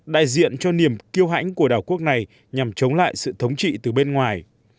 đại diện cho niềm kiêu hãnh của đảo quốc này nhằm chống lại sự thống trị từ bên ngoài